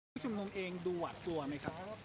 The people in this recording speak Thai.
ผู้ชุมนุมเองดูหวาดกลัวไหมครับ